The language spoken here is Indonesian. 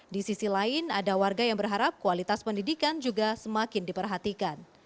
di sisi lain ada warga yang berharap kualitas pendidikan juga semakin diperhatikan